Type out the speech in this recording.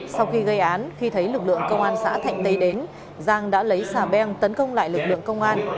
sau khi gây án khi thấy lực lượng công an xã thạnh tây đến giang đã lấy xà beng tấn công lại lực lượng công an